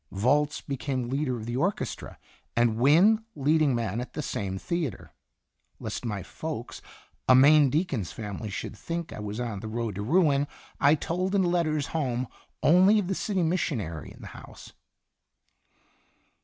Volz became leader of the orchestra, and Wynne, leading man at the same theatre. Lest my folks, a Maine deacon's family, should think I was on the road to ruin, I told in letters home only of the city missionary in the house.